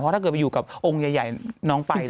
ถ้าเกิดไปอยู่กับองค์ใหญ่น้องไป